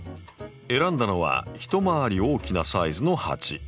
選んだのは一回り大きなサイズの鉢。